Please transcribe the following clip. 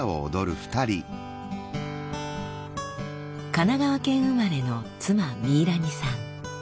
神奈川県生まれの妻ミイラニさん。